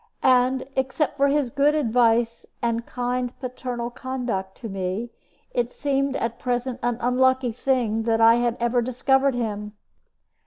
And, except for his good advice and kind paternal conduct to me, it seemed at present an unlucky thing that I had ever discovered him.